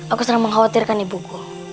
aku sedang mengkhawatirkan ibuku